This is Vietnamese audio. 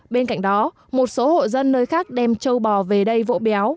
bên cạnh đó một số hộ dân nơi khác đem châu bò về đây vỗ béo